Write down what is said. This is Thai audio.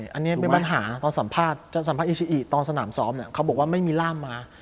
ใช่อันนี้เป็นปัญหาตอนสัมภาษณ์อีชิอีตอนสนามซ้อมเขาบอกว่าไม่มีร่ามมา